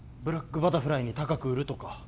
ブラックバタフライに高く売るとか？